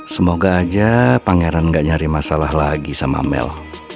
semoga aja pangeran gak nyari masalah lagi sama amel